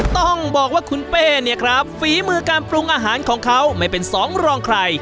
ต้องบอกว่าคุณเป้เนี่ยครับฝีมือการปรุงอาหารของเขาไม่เป็นสองรองใคร